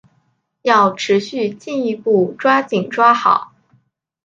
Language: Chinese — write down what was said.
要持续进一步抓紧抓好